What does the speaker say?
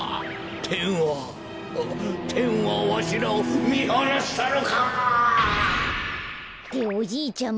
てんはてんはわしらをみはなしたのか！っておじいちゃん